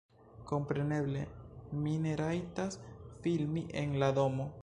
Kompreneble mi ne rajtas filmi en la domo